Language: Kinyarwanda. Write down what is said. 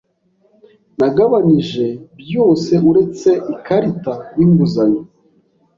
Nagabanije byose uretse ikarita yinguzanyo.